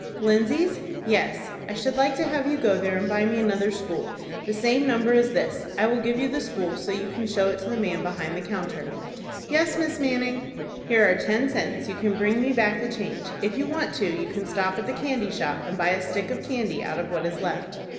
"Lindsay's?" "Yes. I should like to have you go there and buy me another spool, the same number as this. I will give you the spool, so that you can show it to the man behind the counter." "Yes, Miss Manning." "Here are ten cents. You can bring me back the change. If you want to, you can stop at the candy shop, and buy a stick of candy out of what is left."